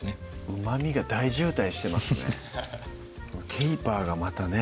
うまみが大渋滞してますねフフフッケイパーがまたね